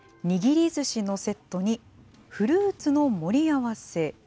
握りずしのセットに、フルーツの盛り合わせ。